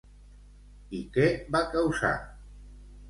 I què va causar?